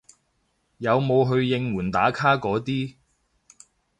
有冇去應援打卡嗰啲